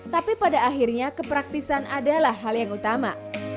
tapi pada akhirnya kepraktisan adalah hal yang utama